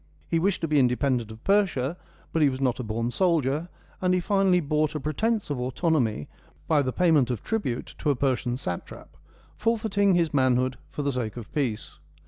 He wished to be independent of Persia ; but he was not a born soldier, and he finally bought a pretence of autonomy by the pay ment of tribute to a Persian satrap, forfeiting his manhood for the sake of peace.